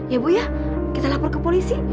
ya bu ya kita lapor ke polisi